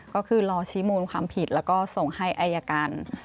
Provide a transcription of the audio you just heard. ก็คือรอชี้มูลความผิดแล้วก็ส่งให้อายการ